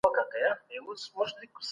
بېطرفي علمي اصل دی.